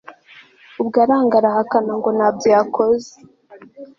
ubwo aranga arahakana ngo ntabyo yakoze